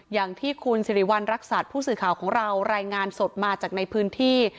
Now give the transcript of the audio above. อย่างที่คุณสิริวัณรักษัตริย์ผู้สื่อข่าวของเรารายงานสดมาจากในพื้นที่